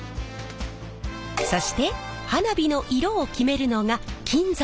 そして花火の色を決めるのが金属の粉。